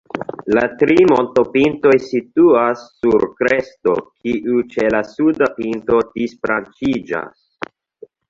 La tri montopintoj situas sur kresto, kiu ĉe la suda pinto disbranĉiĝas.